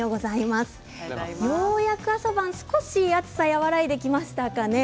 ようやく朝晩少し暑さが和らいできましたかね。